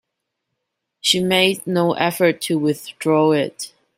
She made no effort to withdraw it.